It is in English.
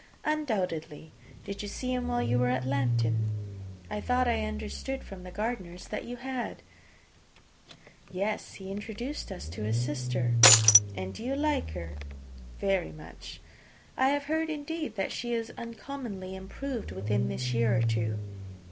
"Undoubtedly. Did you see him while you were at Lambton? I thought I understood from the Gardiners that you had." "Yes; he introduced us to his sister." "And do you like her?" "Very much." "I have heard, indeed, that she is uncommonly improved within this year or two.